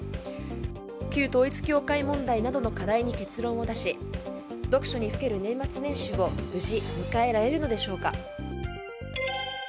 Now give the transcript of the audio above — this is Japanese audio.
旧統一教会問題などの課題に結論を出し読書にふける年末年始を無事迎えられるのでしょうか。